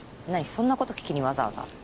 そんなこと聞きにわざわざ？